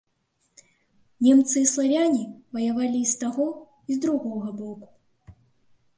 Немцы і славяне ваявалі і з таго, і з другога боку.